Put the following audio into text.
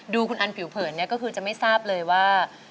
คุณอันผิวเผินเนี่ยก็คือจะไม่ทราบเลยว่า